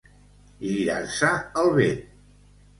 Girar-se el vent.